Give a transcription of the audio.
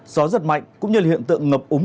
gió rất mạnh cũng như hiện tượng ngập úng